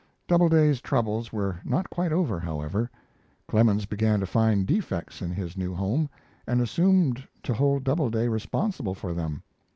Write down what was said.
Doubleday's troubles were not quite over, however. Clemens began to find defects in his new home and assumed to hold Doubleday responsible for them.